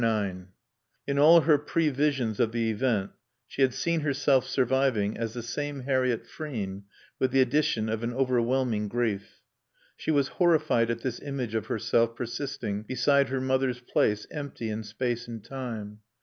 IX In all her previsions of the event she had seen herself surviving as the same Harriett Frean with the addition of an overwhelming grief. She was horrified at this image of herself persisting beside her mother's place empty in space and time.